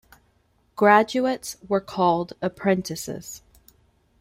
Graduates were called 'apprentices'.